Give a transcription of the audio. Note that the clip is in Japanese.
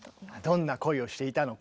どんな恋をしていたのか。